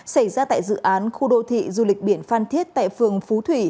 xảy ra tại dự án khu đô thị du lịch biển phan thiết tại phường phú thủy